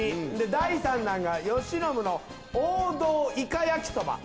第３弾がヨシノブの王道イカ焼きそば。